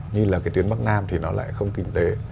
như là cái tuyến bắc nam thì nó lại không kinh tế